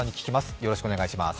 よろしくお願いします。